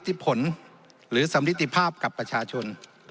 สมฤติผลหรือสำลิดภาพกับประชาชน